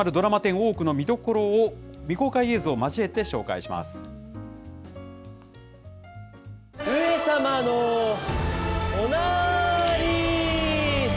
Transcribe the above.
大奥の見どころを未公開映像を交えて上様のおなーり。